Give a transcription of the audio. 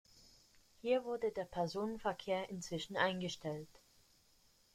Hier wurde der Personenverkehr inzwischen eingestellt.